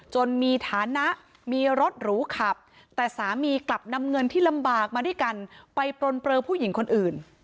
มีฐานะมีรถหรูขับแต่สามีกลับนำเงินที่ลำบากมาด้วยกันไปปลนเปลือผู้หญิงคนอื่น